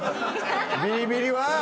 ビリビリは！